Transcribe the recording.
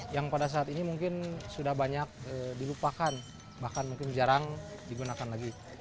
yang pada saat ini mungkin sudah banyak dilupakan bahkan mungkin jarang digunakan lagi